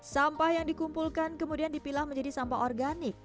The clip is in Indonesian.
sampah yang dikumpulkan kemudian dipilah menjadi sampah organik